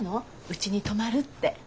うちに泊まるって。